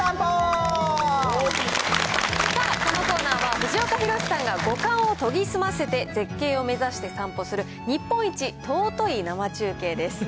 さあ、このコーナーは藤岡弘、さんが五感を研ぎ澄ませて絶景を目指して散歩する、日本一尊い生中継です。